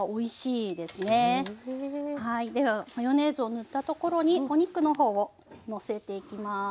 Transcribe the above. ではマヨネーズを塗ったところにお肉の方をのせていきます。